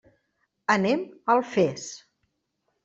Anem a Alfés.